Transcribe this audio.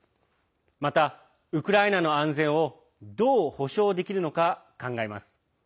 また、ウクライナの安全をどう保障できるのか考えます。